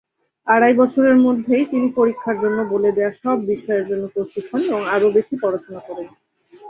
আড়াই বছরের মধ্যেই তিনি পরীক্ষার জন্য বলে দেয়া সব বিষয়ের জন্য প্রস্তুত হন এবং আরো বেশি পড়াশোনা করেন।